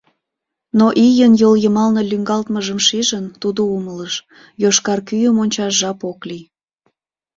Но ийын йол йымалне лӱҥгалтмыжым шижын, тудо умылыш: йошкар кӱым ончаш жап ок лий.